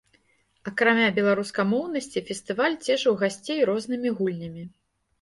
Акрамя беларускамоўнасці, фестываль цешыў гасцей рознымі гульнямі.